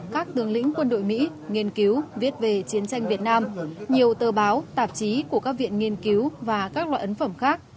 các tướng lĩnh quân đội mỹ nghiên cứu viết về chiến tranh việt nam nhiều tờ báo tạp chí của các viện nghiên cứu và các loại ấn phẩm khác